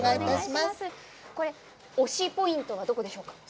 推しポイントはどこですか？